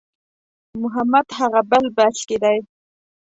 محمد هغه بل بس کې دی.